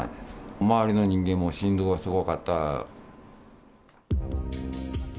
周りの人間も振動がすごかったって。